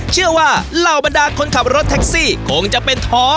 เชื่อว่าเหล่าบรรดาคนขับรถแท็กซี่คงจะเป็นท้อ